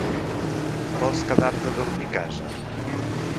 Vols quedar-te a dormir a casa?